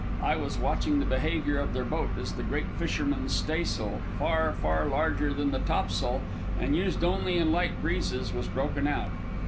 I was watching the behavior of their boat as the great fisherman's staysail, far, far larger than the topsail and used only in light breezes, was broken out.